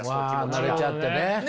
慣れちゃってね。